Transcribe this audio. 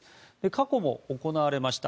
過去にも行われました。